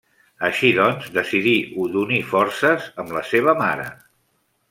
Així doncs, decidí d'unir forces amb la seva mare.